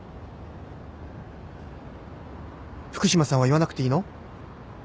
福島さんは言わなくていいの？